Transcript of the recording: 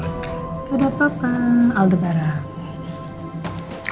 gak ada apa apa aldebaran